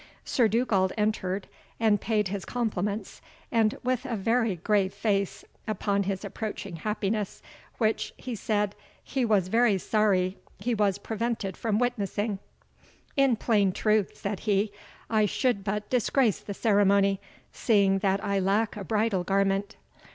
Sir Dugald entered, and paid his compliments, with a very grave face, upon his approaching happiness, which, he said, "he was very sorry he was prevented from witnessing." "In plain truth," said he, "I should but disgrace the ceremony, seeing that I lack a bridal garment.